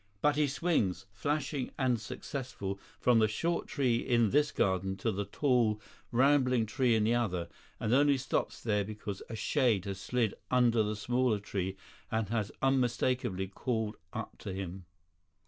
But he swings, flashing and successful, from the short tree in this garden to the tall, rambling tree in the other, and only stops there because a shade has slid under the smaller tree and has unmistakably called up to him.